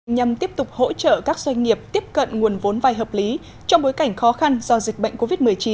nhằm tiếp tục hỗ trợ các doanh nghiệp tiếp cận nguồn vốn vai hợp lý trong bối cảnh khó khăn do dịch bệnh covid một mươi chín